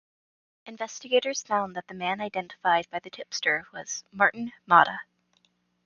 Investigators found that the man identified by the tipster was Martin Motta.